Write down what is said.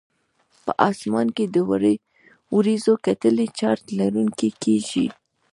په اسمان کې د وریځو کتلې چارج لرونکي کیږي.